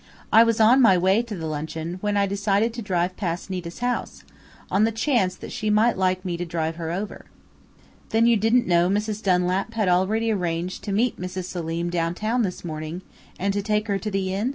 I was on my way to the luncheon, when I decided to drive past Nita's house, on the chance that she might like me to drive her over." "Then you didn't know that Mrs. Dunlap had already arranged to meet Mrs. Selim downtown this morning and to take her to the Inn?"